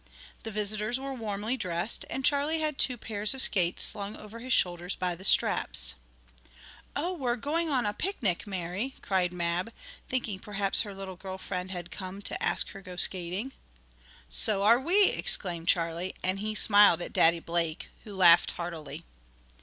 The visitors were warmly dressed, and Charlie had two pairs of skates slung over his shoulder by the straps. "Oh, we're going on a pic nic, Mary!" cried Mab, thinking perhaps her little girl friend had come to ask her to go skating. "So are we!" exclaimed Charlie, and he smiled at Daddy Blake, who laughed heartily.